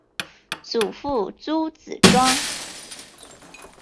祖父朱子庄。